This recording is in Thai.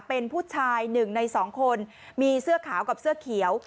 เป็นผู้ชาย๑ใน๒คนมีเสื้อขาวกับเสื้อเขียว